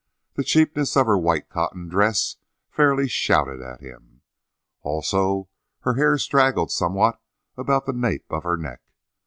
The cheapness of her white cotton dress fairly shouted at him. Also her hair straggled somewhat about the nape of her neck.